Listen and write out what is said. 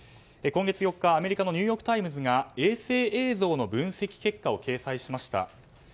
今月４日、アメリカのニューヨーク・タイムズが衛星映像の分析結果を掲載しました。